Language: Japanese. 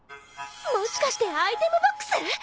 もしかしてアイテムボックス！？